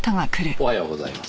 おはようございます。